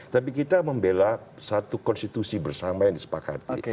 tapi kita membela satu konstitusi bersama yang disepakati